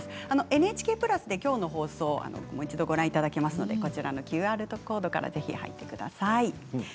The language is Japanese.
ＮＨＫプラスで今日の放送をもう一度ご覧いただけますのでＱＲコードからぜひ入ってください。